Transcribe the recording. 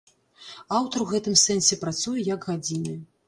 Аўтар у гэтым сэнсе працуе як гадзіны.